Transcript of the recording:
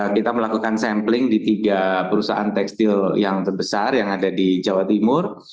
kita melakukan sampling di tiga perusahaan tekstil yang terbesar yang ada di jawa timur